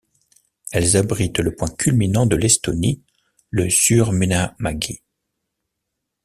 Elles abritent le point culminant de l'Estonie, le Suur Munamägi.